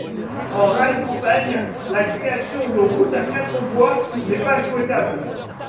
En rase campagne la création de routes à quatre voies n'est pas souhaitable.